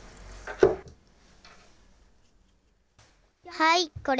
はいこれ。